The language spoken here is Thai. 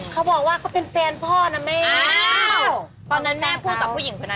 เราบอกว่าตรศิษย์จะเจ็บเสื้อผ้าให้แล้วนะ